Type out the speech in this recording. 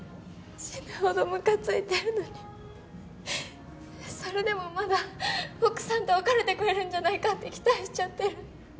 死ぬほどムカついてるのにそれでもまだ奥さんと別れてくれるんじゃないかって期待しちゃってる。